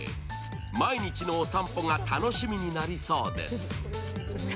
毎日のお散歩が楽しみになりそうです。